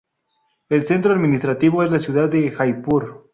El centro administrativo es la ciudad de Jaipur.